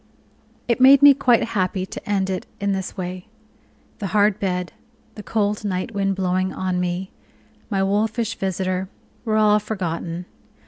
It made me quite happy to end it in this way. The hard bed, the cold night wind blowing on me, my wolfish visitor, were all forgotten.